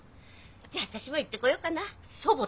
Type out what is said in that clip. じゃあ私も行ってこようかな祖母として。